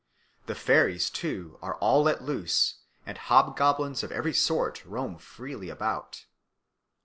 The fairies, too, are all let loose, and hobgoblins of every sort roam freely about.